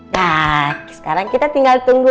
nah sekarang kita tinggal tunggu